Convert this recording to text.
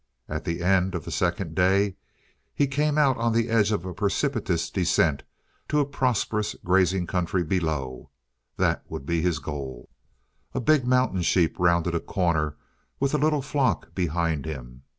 At the end of the second day he came out on the edge of a precipitous descent to a prosperous grazing country below. There would be his goal. A big mountain sheep rounded a corner with a little flock behind him.